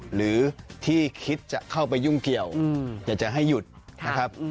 หรือที่คิดจะเข้าไปยุ่งเกี่ยวอยากจะให้หยุดนะครับ